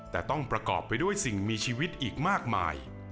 แต่ต้องประกอบไปด้วยสิ่งมีชีวิตอีกมากมาย